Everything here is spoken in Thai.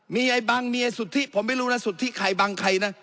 มีไอ้บังมีไอ้สุธิผมไม่รู้นะสุธิใครบังใครนะ